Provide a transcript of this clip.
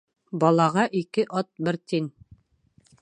Балаға ике ат бер тин.